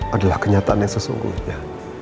adalah kenyataannya sesungguhnya